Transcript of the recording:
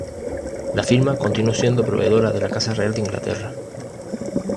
La firma continuó siendo proveedora de la Casa Real de Inglaterra.